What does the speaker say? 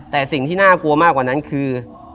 แต่สิ่งที่น่ากลัวมากกว่านั้นคือ